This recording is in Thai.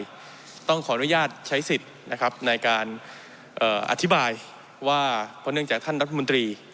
ต้องขออนุญาตใช้สิทธิ์ในการอธิบายว่าเพราะเนื่องจากท่านรัฐมนตรี